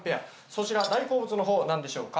そちら大好物の方はなんでしょうか？